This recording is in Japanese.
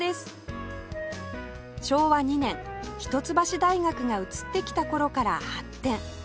昭和２年一橋大学が移ってきた頃から発展